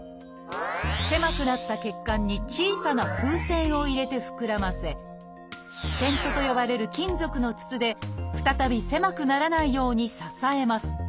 狭くなった血管に小さな風船を入れて膨らませ「ステント」と呼ばれる金属の筒で再び狭くならないように支えます。